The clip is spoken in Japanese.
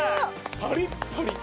パリッパリ。